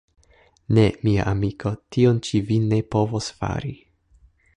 Ne, mia amiko, tion ĉi vi ne povos fari.